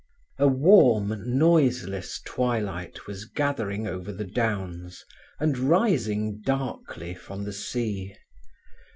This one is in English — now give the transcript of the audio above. A warm, noiseless twilight was gathering over the downs and rising darkly from the sea.